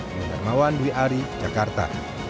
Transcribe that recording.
menteri pertama andwi ari jakarta